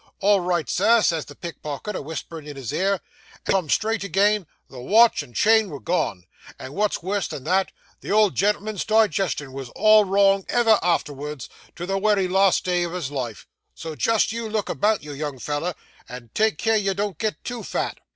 "All right, Sir," says the pickpocket, a wisperin' in his ear. And wen he come straight agin, the watch and chain was gone, and what's worse than that, the old gen'l'm'n's digestion was all wrong ever afterwards, to the wery last day of his life; so just you look about you, young feller, and take care you don't get too fat.